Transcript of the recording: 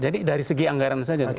dari segi anggaran saja